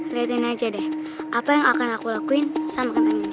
liatin aja deh apa yang akan aku lakuin sama kentang ini